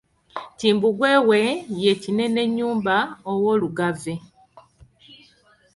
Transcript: Kimbugwe we ye Kinenennyumba ow'Olugave.